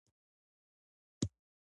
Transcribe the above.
په دغو اوازو کې شاه جهان عیاش بلل شوی دی.